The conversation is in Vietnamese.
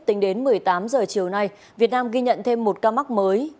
tính đến một mươi tám h chiều nay việt nam ghi nhận thêm một ca mắc mới